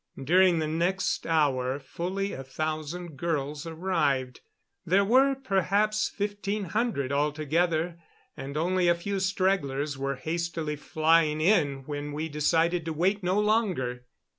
During the next hour fully a thousand girls arrived. There were perhaps fifteen hundred altogether, and only a few stragglers were hastily flying in when we decided to wait no longer.